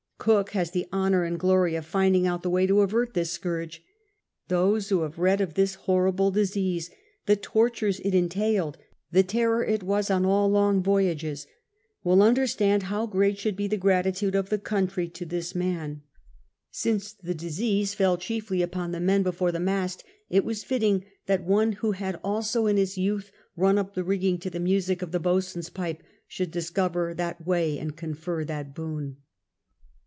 Cook has the honour and glory of finding out the way to avert this scourge. Those who have read of this hoiTible disease — the tortures it entailed — the terror it was on all long voyages — will niwlerstand how great should be the gratitude of the country to this man. Since the disease fell chiefly upon the men before the mast, it was fitting that one who had also in his 3»outh run up the rigging to the music of tlie boatswain's pipe should discover that way and confer that boon.